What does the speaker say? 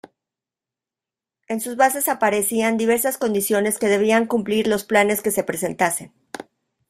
En sus bases aparecían diversas condiciones que debían cumplir los planes que se presentasen.